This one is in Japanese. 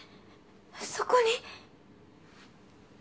そこに。